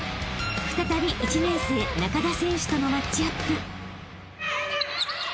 ［再び１年生中田選手とのマッチアップ］